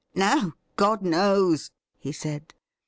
' No, God knows !' he said.